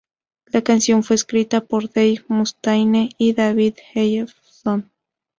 La canción fue escrita por Dave Mustaine y David Ellefson.